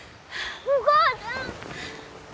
お母ちゃん！